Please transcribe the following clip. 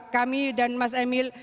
kami dan mas emil